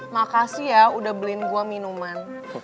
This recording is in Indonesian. makasih ya udah beliin gue minuman